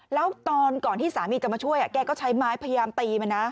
แล้วตอนก่อนที่สามีจะมาช่วยแกก็ใช้ไม้พยายามตีมันนะ